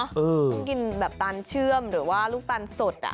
ต้องกินแบบตาลเชื่อมหรือว่าลูกตาลสด